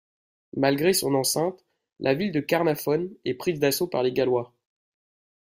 Malgré son enceinte, la ville de Caernarfon est prise d'assaut par les Gallois.